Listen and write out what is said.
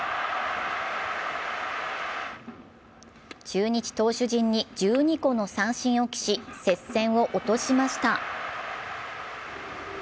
中日投手陣に１２個の三振を喫し、接戦を落としました。